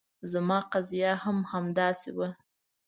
زما قضیه هم همداسې وه.